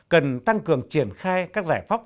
cần tăng cường triển khai các giải pháp